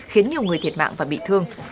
khiến nhiều người thiệt mạng và bị thương